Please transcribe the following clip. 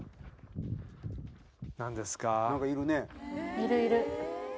いるいる。